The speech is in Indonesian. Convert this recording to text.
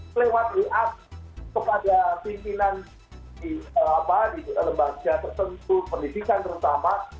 kelewat lewat kepada pimpinan di apa di lembaga tertentu pendidikan terutama